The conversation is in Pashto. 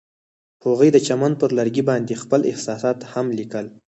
هغوی د چمن پر لرګي باندې خپل احساسات هم لیکل.